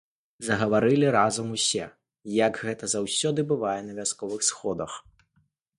Загаварылі разам усе, як гэта заўсёды бывае на вясковых сходах.